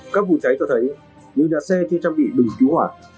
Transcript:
các vụ cháy cho thấy những nhà xe chưa trang bị bình cứu hỏa